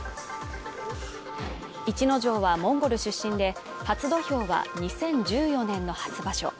逸ノ城はモンゴル出身で初土俵は２０１４年の初場所。